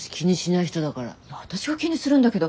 いや私が気にするんだけど。